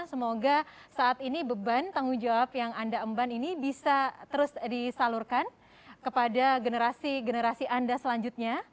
semoga saat ini beban tanggung jawab yang anda emban ini bisa terus disalurkan kepada generasi generasi anda selanjutnya